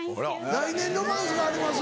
来年ロマンスがあります？